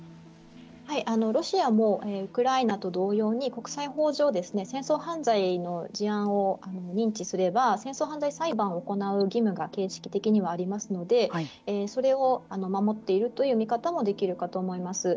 ロシアもウクライナと同様に国際法上戦争犯罪の事案を認知すれば戦争犯罪裁判を行う義務が形式的にはありますのでそれを守っているという見方もできるかと思います。